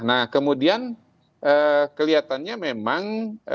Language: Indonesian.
nah kemudian kelihatannya memang